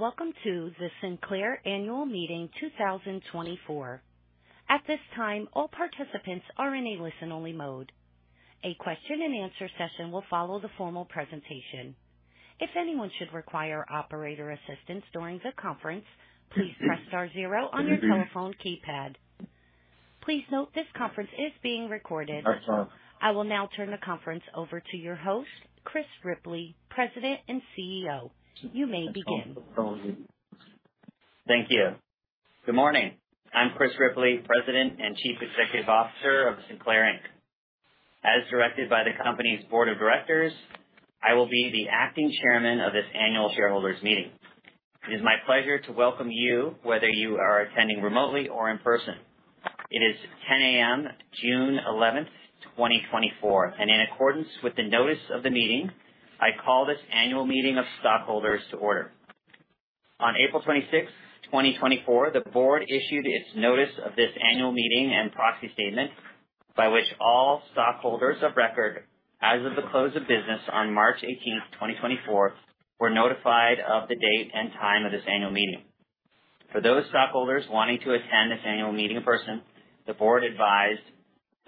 Welcome to the Sinclair Annual Meeting 2024. At this time, all participants are in a listen-only mode. A question-and-answer session will follow the formal presentation. If anyone should require operator assistance during the conference, please press star zero on your telephone keypad. Please note this conference is being recorded. That's fine. I will now turn the conference over to your host, Chris Ripley, President and CEO. You may begin. Thank you. Good morning. I'm Chris Ripley, President and Chief Executive Officer of Sinclair, Inc. As directed by the company's board of directors, I will be the acting chairman of this annual shareholders' meeting. It is my pleasure to welcome you, whether you are attending remotely or in person. It is 10:00 A.M., June 11th, 2024. In accordance with the notice of the meeting, I call this annual meeting of stockholders to order. On April 26th, 2024, the board issued its notice of this annual meeting and proxy statement by which all stockholders of record, as of the close of business on March 18th, 2024, were notified of the date and time of this annual meeting. For those stockholders wanting to attend this annual meeting in person, the board advised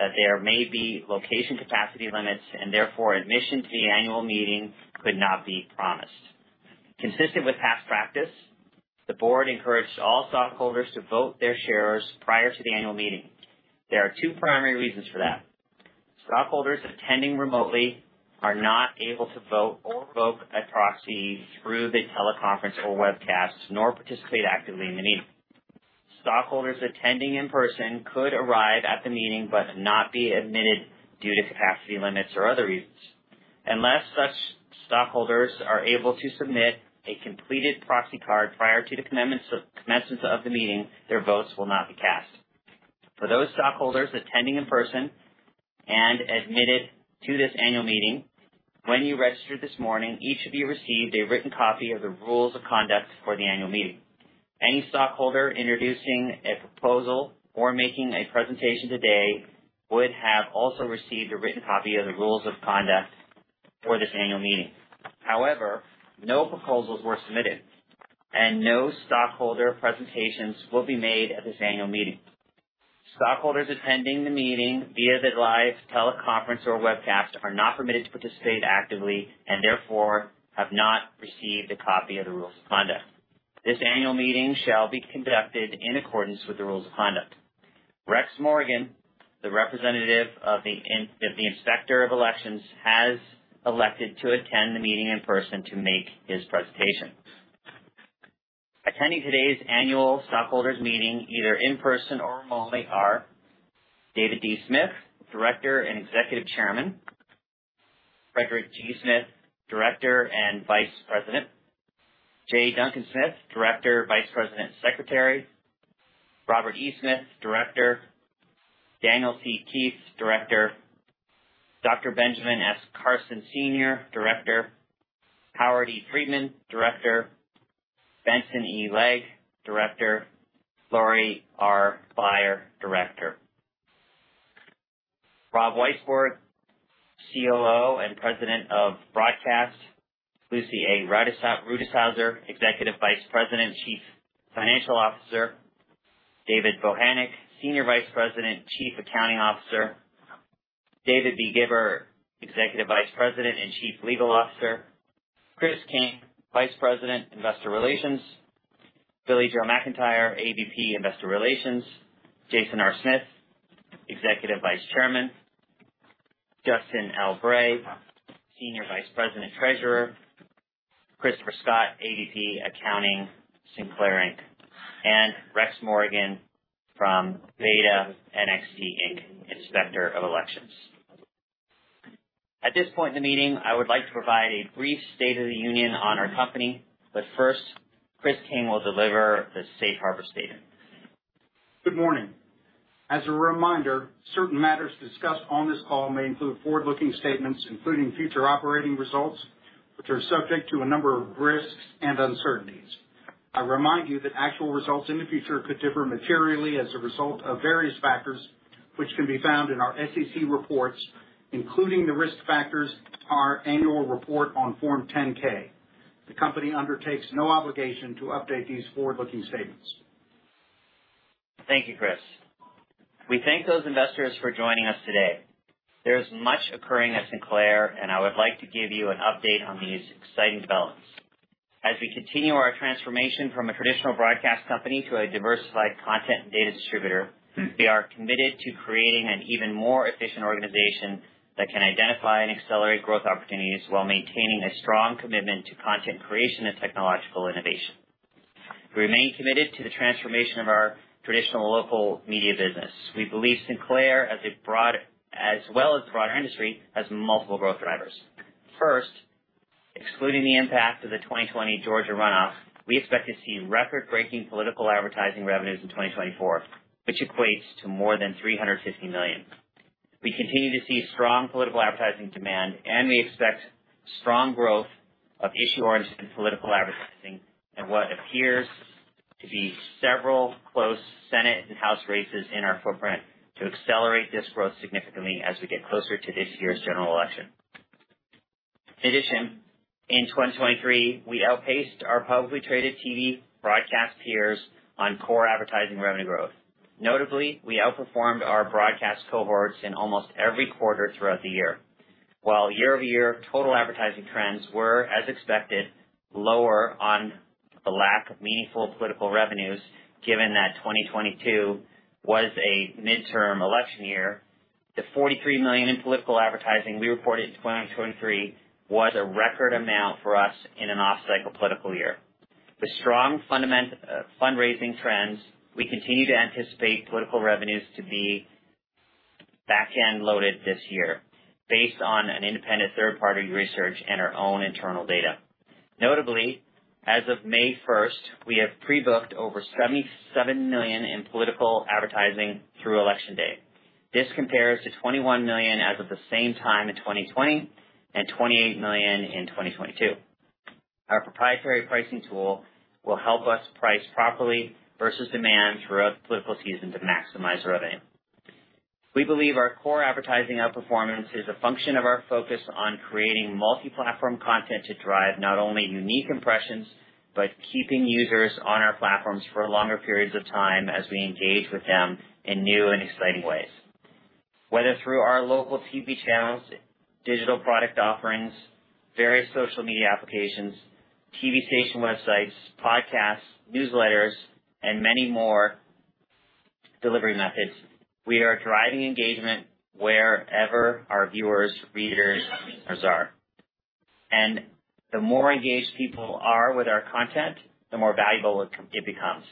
that there may be location capacity limits and therefore admission to the annual meeting could not be promised. Consistent with past practice, the board encouraged all stockholders to vote their shares prior to the annual meeting. There are two primary reasons for that. Stockholders attending remotely are not able to vote or revoke a proxy through the teleconference or webcast, nor participate actively in the meeting. Stockholders attending in person could arrive at the meeting but not be admitted due to capacity limits or other reasons. Unless such stockholders are able to submit a completed proxy card prior to the commencement of the meeting, their votes will not be cast. For those stockholders attending in person and admitted to this annual meeting, when you registered this morning, each of you received a written copy of the rules of conduct for the annual meeting. Any stockholder introducing a proposal or making a presentation today would have also received a written copy of the rules of conduct for this annual meeting. However, no proposals were submitted, and no stockholder presentations will be made at this annual meeting. Stockholders attending the meeting via the live teleconference or webcast are not permitted to participate actively and therefore have not received a copy of the rules of conduct. This annual meeting shall be conducted in accordance with the rules of conduct. Rex Morgan, the representative of the Inspector of Elections, has elected to attend the meeting in person to make his presentation. Attending today's annual stockholders' meeting, either in person or remotely, are David D. Smith, Director and Executive Chairman; Frederick G. Smith, Director and Vice President; J. Duncan Smith, Director, Vice President and Secretary; Robert E. Smith, Director; Daniel C. Keith, Director; Dr. Benjamin S. Carson Sr., Director, Howard E. Friedman, Director, Benson E. Legg, Director, Laurie R. Beyer, Director, Rob Weisbord, COO and President of Broadcast, Lucy A. Rutishauser, Executive Vice President, Chief Financial Officer, David Bochenek, Senior Vice President, Chief Accounting Officer, David B. Gibber, Executive Vice President and Chief Legal Officer, Chris King, Vice President, Investor Relations, Billie-Jo McIntire, AVP, Investor Relations, Jason R. Smith, Executive Vice Chairman, Justin L. Bray, Senior Vice President, Treasurer, Christopher Scott, AVP, Accounting, Sinclair Inc., and Rex Morgan from BetaNXT Inc., Inspector of Elections. At this point in the meeting, I would like to provide a brief State of the Union on our company, but first, Chris King will deliver the Safe Harbor Statement. Good morning. As a reminder, certain matters discussed on this call may include forward-looking statements, including future operating results, which are subject to a number of risks and uncertainties. I remind you that actual results in the future could differ materially as a result of various factors, which can be found in our SEC reports, including the risk factors in our annual report on Form 10-K. The company undertakes no obligation to update these forward-looking statements. Thank you, Chris. We thank those investors for joining us today. There is much occurring at Sinclair, and I would like to give you an update on these exciting developments. As we continue our transformation from a traditional broadcast company to a diversified content and data distributor, we are committed to creating an even more efficient organization that can identify and accelerate growth opportunities while maintaining a strong commitment to content creation and technological innovation. We remain committed to the transformation of our traditional local media business. We believe Sinclair, as well as the broader industry, has multiple growth drivers. First, excluding the impact of the 2020 Georgia runoff, we expect to see record-breaking political advertising revenues in 2024, which equates to more than $350 million. We continue to see strong political advertising demand, and we expect strong growth of issue-oriented political advertising and what appears to be several close Senate and House races in our footprint to accelerate this growth significantly as we get closer to this year's general election. In addition, in 2023, we outpaced our publicly traded TV broadcast peers on core advertising revenue growth. Notably, we outperformed our broadcast cohorts in almost every quarter throughout the year. While year-over-year total advertising trends were, as expected, lower on the lack of meaningful political revenues, given that 2022 was a midterm election year, the $43 million in political advertising we reported in 2023 was a record amount for us in an off-cycle political year. With strong fundraising trends, we continue to anticipate political revenues to be back-end loaded this year, based on an independent third-party research and our own internal data. Notably, as of May 1st, we have pre-booked over $77 million in political advertising through election day. This compares to $21 million as of the same time in 2020 and $28 million in 2022. Our proprietary pricing tool will help us price properly versus demand throughout the political season to maximize revenue. We believe our core advertising outperformance is a function of our focus on creating multi-platform content to drive not only unique impressions but keeping users on our platforms for longer periods of time as we engage with them in new and exciting ways. Whether through our local TV channels, digital product offerings, various social media applications, TV station websites, podcasts, newsletters, and many more delivery methods, we are driving engagement wherever our viewers, readers, listeners are. And the more engaged people are with our content, the more valuable it becomes.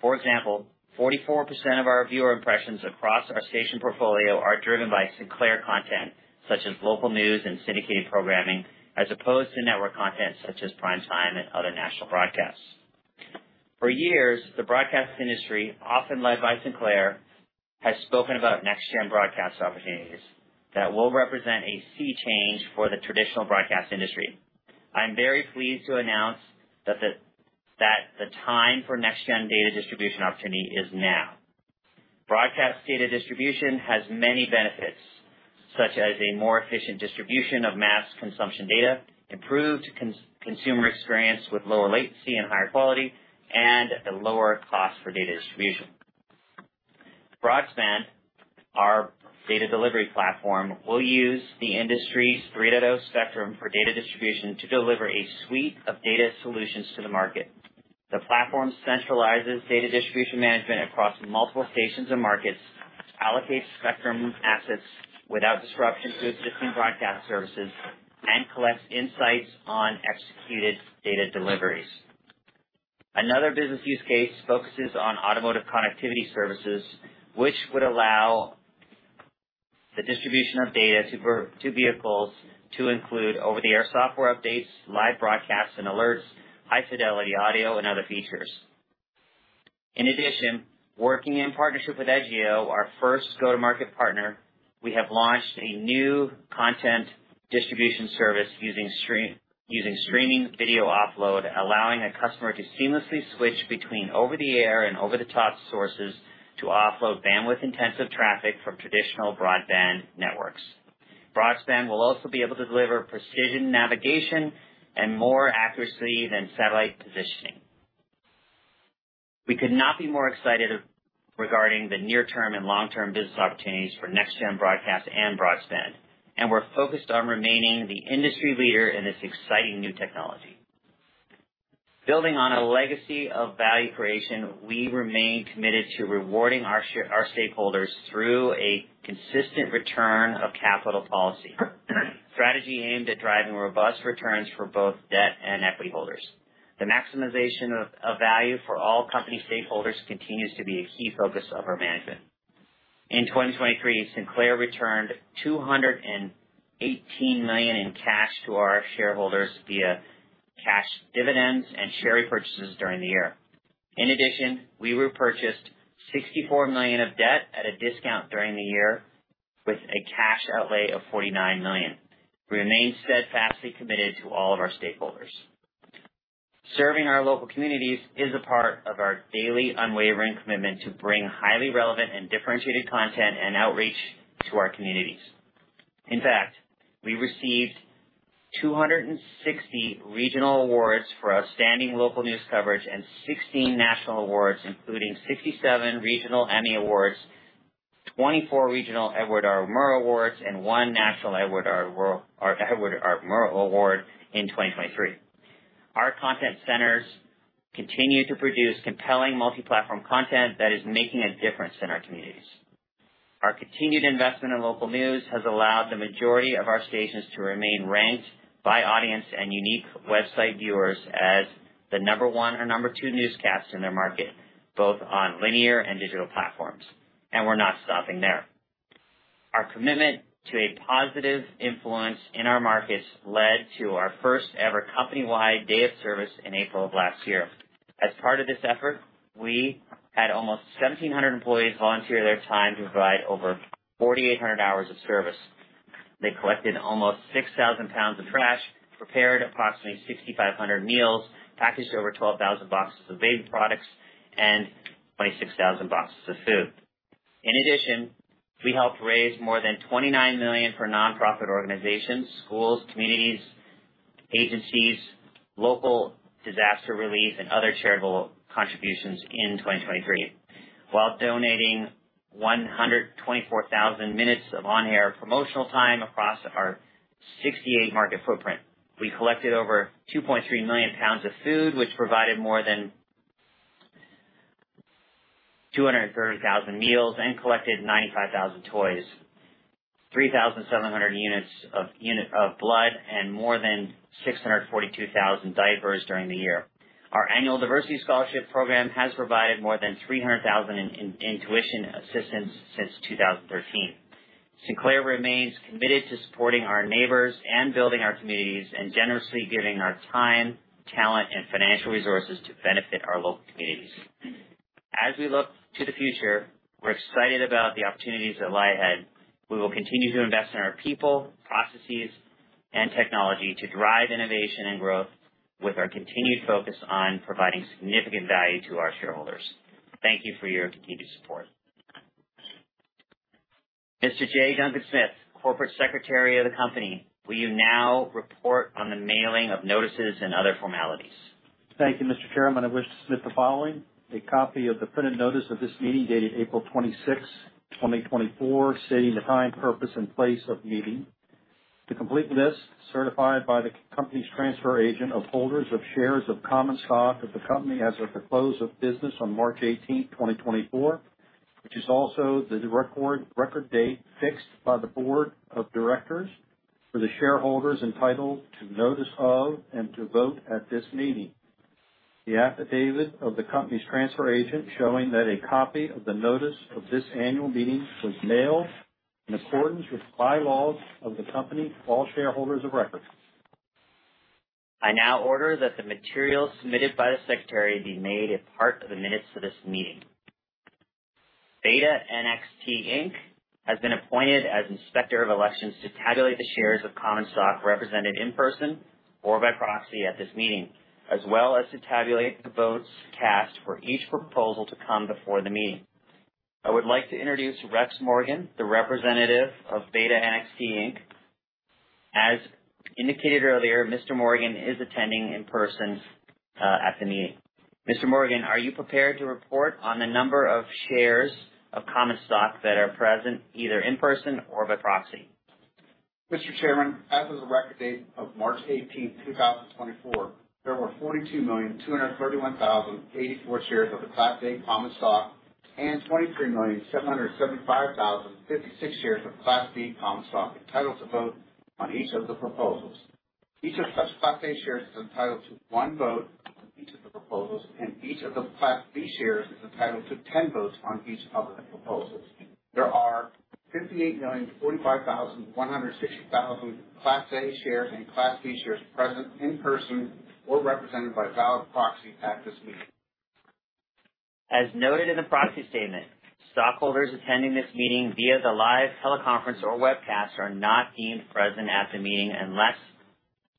For example, 44% of our viewer impressions across our station portfolio are driven by Sinclair content, such as local news and syndicated programming, as opposed to network content such as Primetime and other national broadcasts. For years, the broadcast industry, often led by Sinclair, has spoken about NextGen Broadcast opportunities that will represent a sea change for the traditional broadcast industry. I am very pleased to announce that the time for NextGen data distribution opportunity is now. Broadcast data distribution has many benefits, such as a more efficient distribution of mass consumption data, improved consumer experience with lower latency and higher quality, and a lower cost for data distribution. Broadspan, our data delivery platform, will use the industry's 3.0 spectrum for data distribution to deliver a suite of data solutions to the market. The platform centralizes data distribution management across multiple stations and markets, allocates spectrum assets without disruption to existing broadcast services, and collects insights on executed data deliveries. Another business use case focuses on automotive connectivity services, which would allow the distribution of data to vehicles to include over-the-air software updates, live broadcasts and alerts, high-fidelity audio, and other features. In addition, working in partnership with Edgio, our first go-to-market partner, we have launched a new content distribution service using streaming video offload, allowing a customer to seamlessly switch between over-the-air and over-the-top sources to offload bandwidth-intensive traffic from traditional broadband networks. Broadspan will also be able to deliver precision navigation and more accuracy than satellite positioning. We could not be more excited regarding the near-term and long-term business opportunities for NextGen Broadcast and Broadspan, and we're focused on remaining the industry leader in this exciting new technology. Building on a legacy of value creation, we remain committed to rewarding our stakeholders through a consistent return of capital policy, a strategy aimed at driving robust returns for both debt and equity holders. The maximization of value for all company stakeholders continues to be a key focus of our management. In 2023, Sinclair returned $218 million in cash to our shareholders via cash dividends and share repurchases during the year. In addition, we repurchased $64 million of debt at a discount during the year, with a cash outlay of $49 million. We remain steadfastly committed to all of our stakeholders. Serving our local communities is a part of our daily unwavering commitment to bring highly relevant and differentiated content and outreach to our communities. In fact, we received 260 regional awards for outstanding local news coverage and 16 national awards, including 67 regional Emmy Awards, 24 regional Edward R. Murrow Awards, and one national Edward R. Murrow Award in 2023. Our content centers continue to produce compelling multi-platform content that is making a difference in our communities. Our continued investment in local news has allowed the majority of our stations to remain ranked by audience and unique website viewers as the number one or number two newscasts in their market, both on linear and digital platforms. And we're not stopping there. Our commitment to a positive influence in our markets led to our first-ever company-wide day of service in April of last year. As part of this effort, we had almost 1,700 employees volunteer their time to provide over 4,800 hours of service. They collected almost 6,000 pounds of trash, prepared approximately 6,500 meals, packaged over 12,000 boxes of baby products, and 26,000 boxes of food. In addition, we helped raise more than $29 million for nonprofit organizations, schools, communities, agencies, local disaster relief, and other charitable contributions in 2023, while donating 124,000 minutes of on-air promotional time across our 68-market footprint. We collected over 2.3 million pounds of food, which provided more than 230,000 meals and collected 95,000 toys, 3,700 units of blood, and more than 642,000 diapers during the year. Our annual diversity scholarship program has provided more than $300,000 in tuition assistance since 2013. Sinclair remains committed to supporting our neighbors and building our communities and generously giving our time, talent, and financial resources to benefit our local communities. As we look to the future, we're excited about the opportunities that lie ahead. We will continue to invest in our people, processes, and technology to drive innovation and growth with our continued focus on providing significant value to our shareholders. Thank you for your continued support. Mr. J. Duncan Smith, Corporate Secretary of the Company, will you now report on the mailing of notices and other formalities? Thank you, Mr. Chairman. I wish to submit the following: a copy of the printed notice of this meeting dated April 26, 2024, stating the time, purpose, and place of the meeting. The complete list, certified by the company's transfer agent of holders of shares of common stock of the company as of the close of business on March 18, 2024, which is also the record date fixed by the board of directors for the shareholders entitled to notice of and to vote at this meeting. The affidavit of the company's transfer agent showing that a copy of the notice of this annual meeting was mailed in accordance with the bylaws of the company to all shareholders of record. I now order that the materials submitted by the Secretary be made a part of the minutes of this meeting. BetaNXT Inc. has been appointed as Inspector of Elections to tabulate the shares of common stock represented in person or by proxy at this meeting, as well as to tabulate the votes cast for each proposal to come before the meeting. I would like to introduce Rex Morgan, the representative of BetaNXT Inc. As indicated earlier, Mr. Morgan is attending in person at the meeting. Mr. Morgan, are you prepared to report on the number of shares of common stock that are present either in person or by proxy? Mr. Chairman, as of the record date of March 18, 2024, there were 42,231,084 shares of the Class A common stock and 23,775,056 shares of Class B common stock entitled to vote on each of the proposals. Each of such Class A shares is entitled to one vote on each of the proposals, and each of the Class B shares is entitled to 10 votes on each of the proposals. There are 58,045,160 Class A shares and Class B shares present in person or represented by valid proxy at this meeting. As noted in the proxy statement, stockholders attending this meeting via the live teleconference or webcast are not deemed present at the meeting unless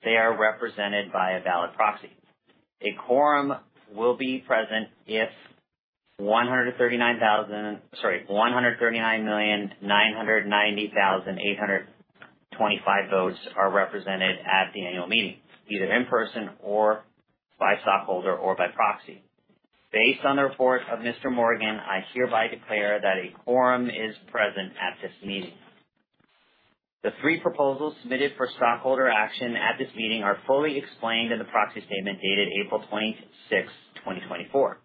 they are represented by a valid proxy. A quorum will be present if 139,990,825 votes are represented at the annual meeting, either in person or by stockholder or by proxy. Based on the report of Mr. Morgan, I hereby declare that a quorum is present at this meeting. The three proposals submitted for stockholder action at this meeting are fully explained in the proxy statement dated April 26, 2024.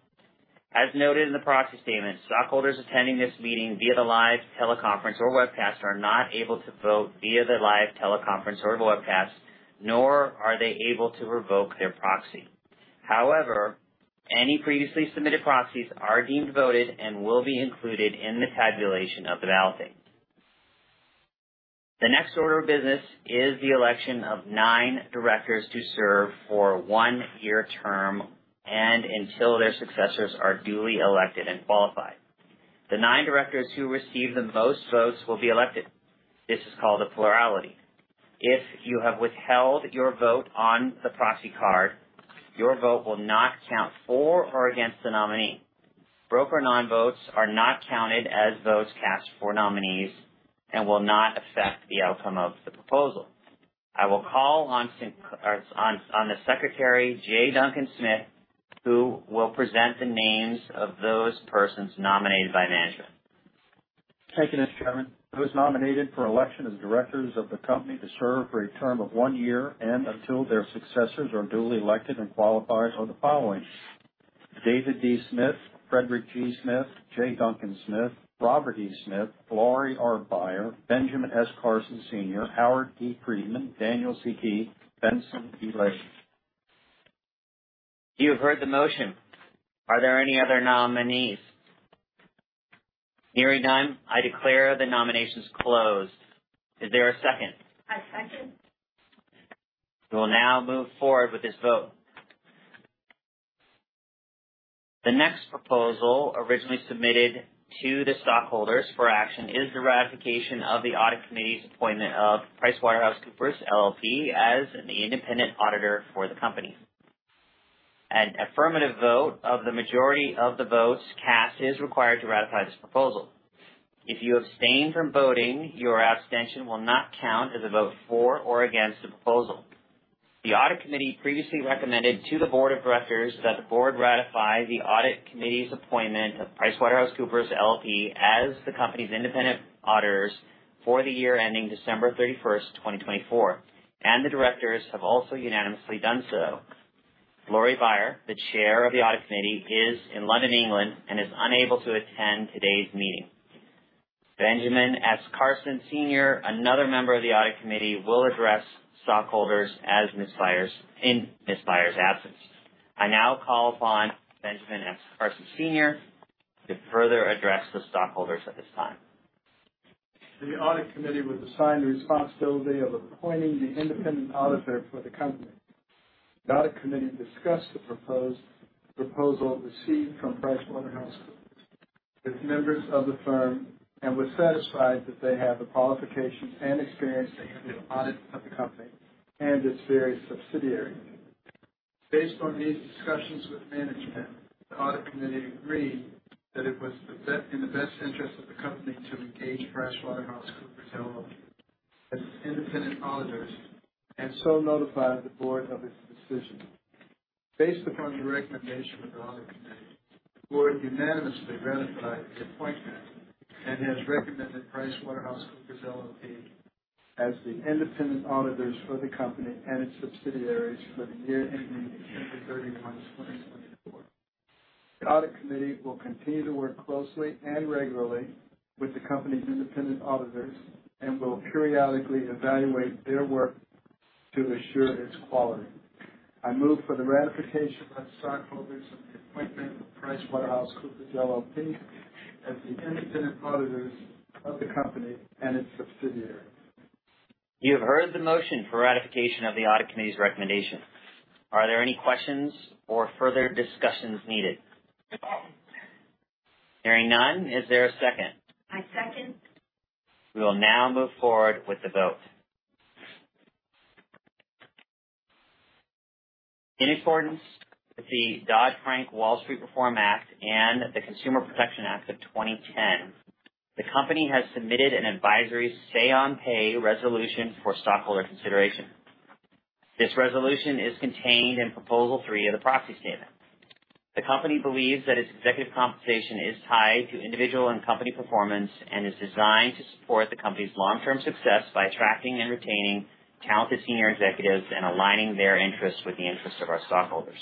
As noted in the proxy statement, stockholders attending this meeting via the live teleconference or webcast are not able to vote via the live teleconference or webcast, nor are they able to revoke their proxy. However, any previously submitted proxies are deemed voted and will be included in the tabulation of the balloting. The next order of business is the election of nine directors to serve for one year term and until their successors are duly elected and qualified. The nine directors who receive the most votes will be elected. This is called a plurality. If you have withheld your vote on the proxy card, your vote will not count for or against the nominee. Broker non-votes are not counted as votes cast for nominees and will not affect the outcome of the proposal. I will call on the Secretary J. Duncan Smith, who will present the names of those persons nominated by management. Thank you, Mr. Chairman. Those nominated for election as directors of the company to serve for a term of one year and until their successors are duly elected and qualified are the following: David D. Smith, Frederick G. Smith, J. Duncan Smith, Robert E. Smith, Laurie R. Beyer, Benjamin S. Carson Sr., Howard E. Friedman, Daniel C. Keith, Benson E. Legg. You've heard the motion. Are there any other nominees? Hearing none, I declare the nominations closed. Is there a second? I second. We will now move forward with this vote. The next proposal originally submitted to the stockholders for action is the ratification of the audit committee's appointment of PricewaterhouseCoopers LLP as the independent auditor for the company. An affirmative vote of the majority of the votes cast is required to ratify this proposal. If you abstain from voting, your abstention will not count as a vote for or against the proposal. The audit committee previously recommended to the board of directors that the board ratify the audit committee's appointment of PricewaterhouseCoopers LLP as the company's independent auditors for theyear-ending December 31, 2024, and the directors have also unanimously done so. Laurie Beyer, the chair of the audit committee, is in London, England, and is unable to attend today's meeting. Benjamin S. Carson Sr., another member of the audit committee, will address stockholders in Ms. Beyer's absence. I now call upon Benjamin S. Carson Sr. to further address the stockholders at this time. The audit committee was assigned the responsibility of appointing the independent auditor for the company. The audit committee discussed the proposal received from PricewaterhouseCoopers with members of the firm and was satisfied that they have the qualifications and experience they have in the audit of the company and its various subsidiaries. Based on these discussions with management, the audit committee agreed that it was in the best interest of the company to engage PricewaterhouseCoopers LLP as its independent auditors and so notified the board of its decision. Based upon the recommendation of the audit committee, the board unanimously ratified the appointment and has recommended PricewaterhouseCoopers LLP as the independent auditors for the company and its subsidiaries for theyear-ending December 31, 2024. The audit committee will continue to work closely and regularly with the company's independent auditors and will periodically evaluate their work to assure its quality. I move for the ratification of the stockholders of the appointment of PricewaterhouseCoopers LLP as the independent auditors of the company and its subsidiaries. You have heard the motion for ratification of the audit committee's recommendation. Are there any questions or further discussions needed? Hearing none, is there a second? I second. We will now move forward with the vote. In accordance with the Dodd-Frank Wall Street Reform and Consumer Protection Act of 2010, the company has submitted an advisory say-on-pay resolution for stockholder consideration. This resolution is contained in proposal three of the proxy statement. The company believes that its executive compensation is tied to individual and company performance and is designed to support the company's long-term success by attracting and retaining talented senior executives and aligning their interests with the interests of our stockholders.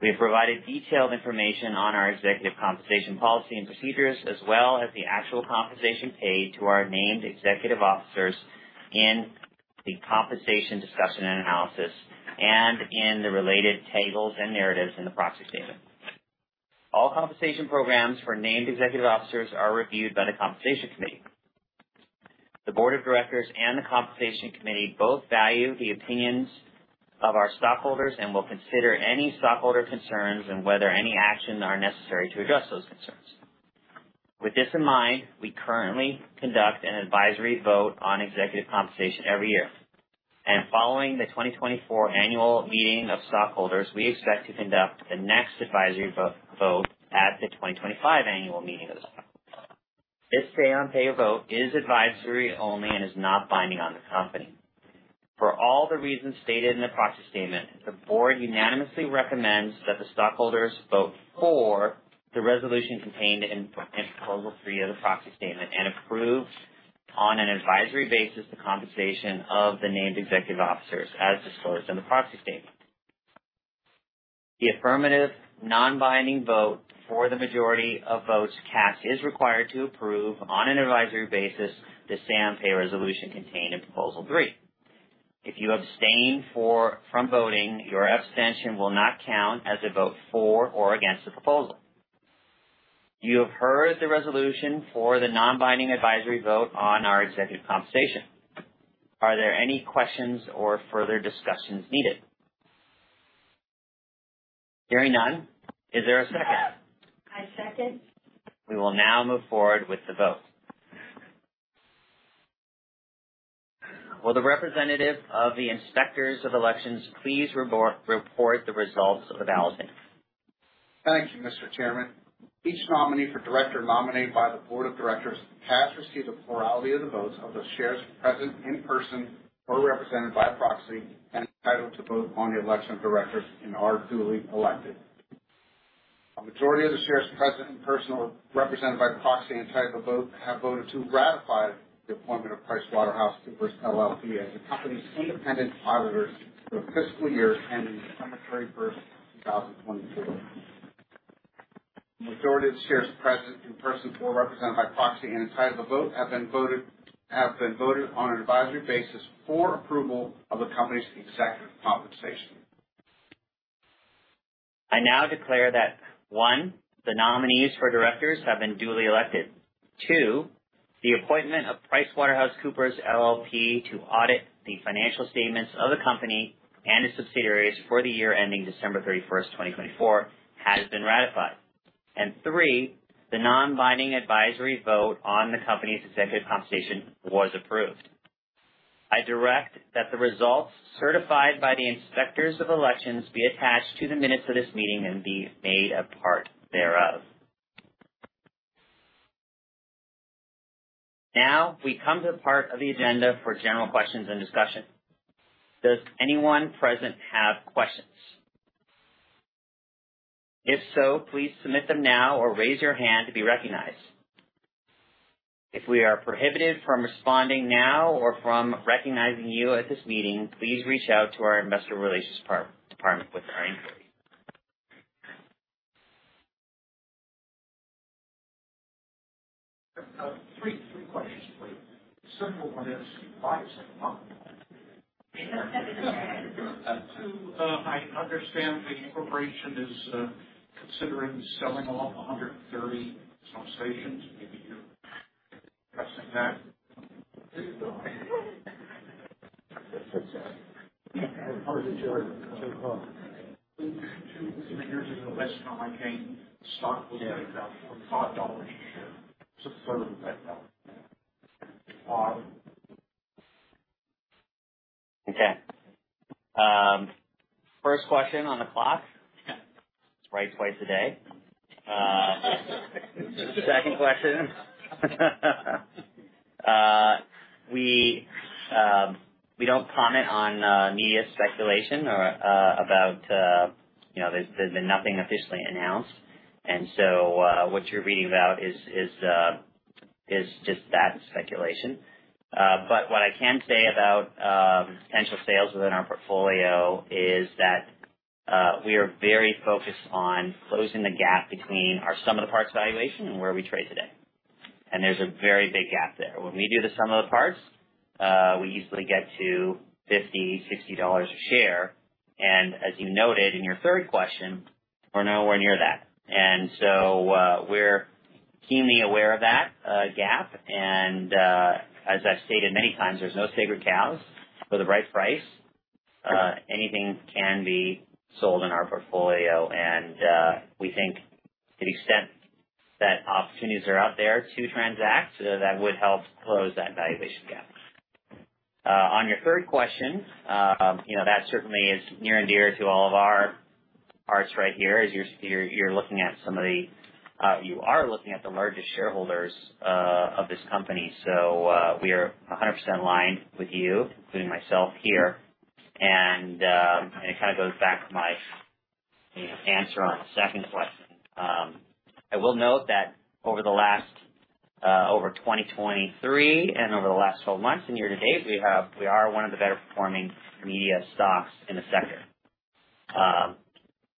We have provided detailed information on our executive compensation policy and procedures, as well as the actual compensation paid to our named executive officers in the compensation discussion and analysis and in the related tables and narratives in the proxy statement. All compensation programs for named executive officers are reviewed by the compensation committee. The board of directors and the compensation committee both value the opinions of our stockholders and will consider any stockholder concerns and whether any actions are necessary to address those concerns. With this in mind, we currently conduct an advisory vote on executive compensation every year. Following the 2024 annual meeting of stockholders, we expect to conduct the next advisory vote at the 2025 annual meeting of the stockholders. This say-on-pay vote is advisory only and is not binding on the company. For all the reasons stated in the proxy statement, the board unanimously recommends that the stockholders vote for the resolution contained in proposal three of the proxy statement and approve on an advisory basis the compensation of the named executive officers as disclosed in the proxy statement. The affirmative non-binding vote for the majority of votes cast is required to approve on an advisory basis the say-on-pay resolution contained in proposal three. If you abstain from voting, your abstention will not count as a vote for or against the proposal. You have heard the resolution for the non-binding advisory vote on our executive compensation. Are there any questions or further discussions needed? Hearing none, is there a second? I second. We will now move forward with the vote. Will the representative of the inspectors of elections please report the results of the balloting? Thank you, Mr. Chairman. Each nominee for director nominated by the board of directors has received a plurality of the votes of the shares present in person or represented by proxy and entitled to vote on the election of directors and are duly elected. A majority of the shares present in person or represented by proxy and entitled to vote have voted to ratify the appointment of PricewaterhouseCoopers LLP as the company's independent auditor for the fiscalyear-ending December 31, 2024. The majority of the shares present in person or represented by proxy and entitled to vote have been voted on an advisory basis for approval of the company's executive compensation. I now declare that, 1, the nominees for directors have been duly elected. 2, the appointment of PricewaterhouseCoopers LLP to audit the financial statements of the company and its subsidiaries for theyear-ending December 31, 2024, has been ratified. And 3, the non-binding advisory vote on the company's executive compensation was approved. I direct that the results certified by the inspectors of elections be attached to the minutes of this meeting and be made a part thereof. Now we come to the part of the agenda for general questions and discussion. Does anyone present have questions? If so, please submit them now or raise your hand to be recognized. If we are prohibited from responding now or from recognizing you at this meeting, please reach out to our investor relations department with our inquiry. Three questions, please. The simple one is, why is that a problem? Mr. Chairman, I understand the corporation is considering selling off 130 substations. Maybe you're addressing that. Two or three years ago, last time I came, the stock was at about $25 a share. It's a fairly good value. Okay. First question on the clock. It's right twice a day. Second question. We don't comment on media speculation about. There's been nothing officially announced. And so what you're reading about is just that speculation. But what I can say about potential sales within our portfolio is that we are very focused on closing the gap between our sum of the parts valuation and where we trade today. And there's a very big gap there. When we do the sum of the parts, we easily get to $50-$60 a share. And as you noted in your third question, we're nowhere near that. And so we're keenly aware of that gap. And as I've stated many times, there's no sacred cows for the right price. Anything can be sold in our portfolio. We think to the extent that opportunities are out there to transact, that would help close that valuation gap. On your third question, that certainly is near and dear to all of our hearts right here as you're looking at some of the largest shareholders of this company. So we are 100% aligned with you, including myself here. And it kind of goes back to my answer on the second question. I will note that over 2023 and over the last 12 months and year to date, we are one of the better-performing media stocks in the sector.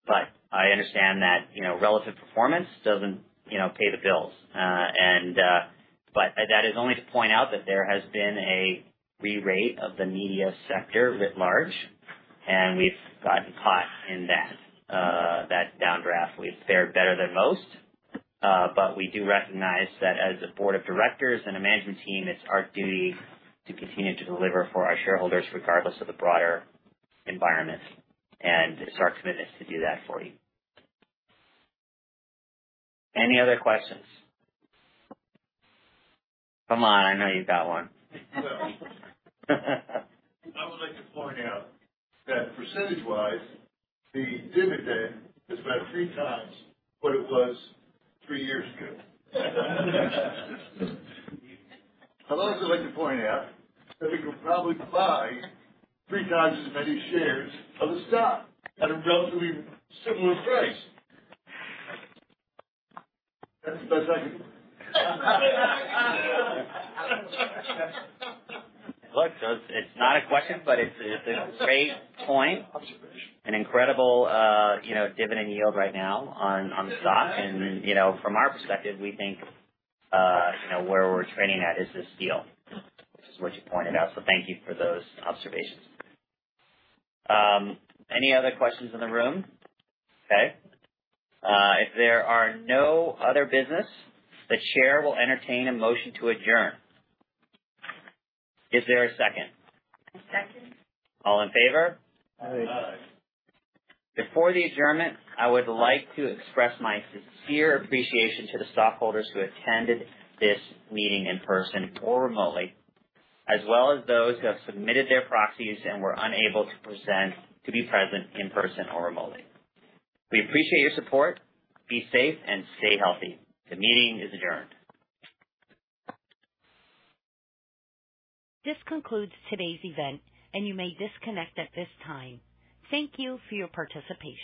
But I understand that relative performance doesn't pay the bills. But that is only to point out that there has been a re-rate of the media sector writ large, and we've gotten caught in that downdraft. We've fared better than most, but we do recognize that as a board of directors and a management team, it's our duty to continue to deliver for our shareholders regardless of the broader environment. It's our commitment to do that for you. Any other questions? Come on. I know you've got one. I would like to point out that percentage-wise, the dividend is about 3 times what it was 3 years ago. I'd also like to point out that we could probably buy 3 times as many shares of the stock at a relatively similar price. That's as best I can. Look, it's not a question, but it's a great point. An incredible dividend yield right now on the stock. And from our perspective, we think where we're trading at is this deal, which is what you pointed out. So thank you for those observations. Any other questions in the room? Okay. If there are no other business, the chair will entertain a motion to adjourn. Is there a second? I second. All in favor? Aye. Aye. Before the adjournment, I would like to express my sincere appreciation to the stockholders who attended this meeting in person or remotely, as well as those who have submitted their proxies and were unable to be present in person or remotely. We appreciate your support. Be safe and stay healthy. The meeting is adjourned. This concludes today's event, and you may disconnect at this time. Thank you for your participation.